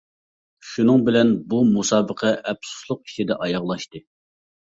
شۇنىڭ بىلەن بۇ مۇسابىقە ئەپسۇسلۇق ئىچىدە ئاياغلاشتى.